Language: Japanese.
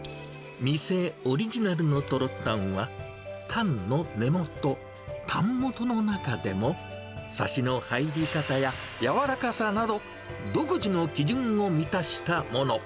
店オリジナルのトロたんは、タンの根元、タン元の中でもさしの入り方や柔らかさなど、独自の基準を満たしたもの。